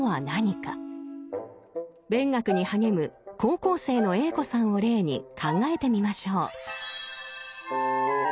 勉学に励む高校生のＡ子さんを例に考えてみましょう。